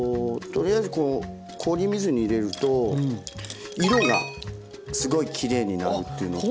とりあえずこう氷水に入れると色がすごいきれいになるというのと。